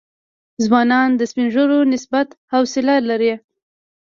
ځوانان د سپین ږیرو نسبت حوصله لري.